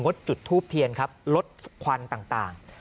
งดจุดฮูบเทียนลดควันต่าง